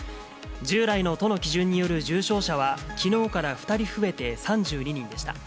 従来の都の基準による重症者は、きのうから２人増えて３２人でした。